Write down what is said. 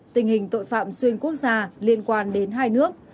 tình hình tội phạm xuyên quốc gia liên quan đến hai nước